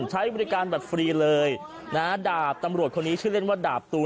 ใช้บริการแบบฟรีเลยนะฮะดาบตำรวจคนนี้ชื่อเล่นว่าดาบตู